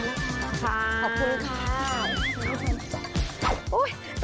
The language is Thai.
ขอบคุณค่ะ